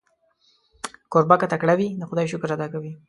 کوربه که تکړه وي، د خدای شکر ادا کوي.